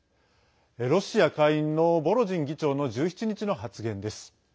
ロシア下院のボロジン議長の１７日の発言です。